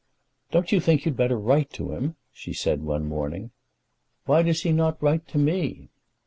"Don't you think you'd better write to him?" she said, one morning. "Why does he not write to me?"